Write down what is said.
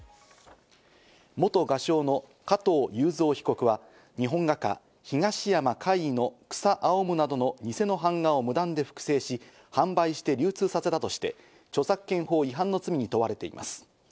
元画商の加藤雄三被告は日本画家・東山魁夷の『草青む』などの偽の版画を無断で複製し、販売して流通させたとして著作権法違反の罪に問われています。